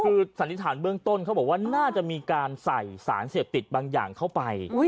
คือสันนิษฐานเบื้องต้นเขาบอกว่าน่าจะมีการใส่สารเสพติดบางอย่างเข้าไป